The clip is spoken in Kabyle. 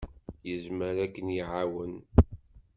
Yezmer ad ken-iɛawen.